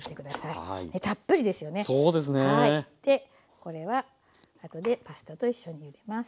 これは後でパスタと一緒にゆでます。